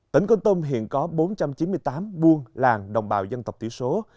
tỉnh côn tông hiện có bốn trăm chín mươi tám buôn làng đồng bào dân tộc tiểu số